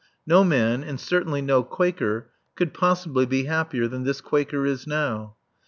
No man, and certainly no Quaker, could possibly be happier than this Quaker is now.